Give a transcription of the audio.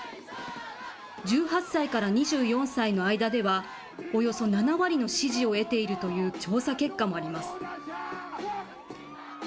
１８歳から２４歳の間では、およそ７割の支持を得ているという調査結果もあります。